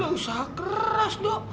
udah usaha keras dok